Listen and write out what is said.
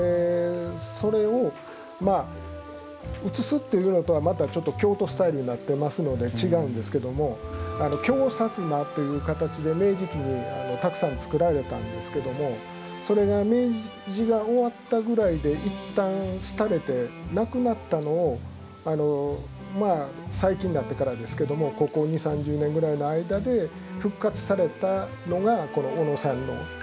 それをうつすっていうのとはまたちょっと京都スタイルになってますので違うんですけども京薩摩っていう形で明治期にたくさん作られたんですけどもそれが明治が終わったぐらいでいったん廃れてなくなったのを最近になってからですけどもここ２０３０年ぐらいの間で復活されたのがこの小野さんの作品になります。